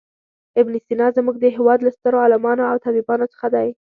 ابن سینا زموږ د هېواد له سترو عالمانو او طبیبانو څخه دی.